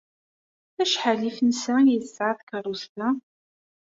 Acḥal n yifensa ay tesɛa tkeṛṛust-a?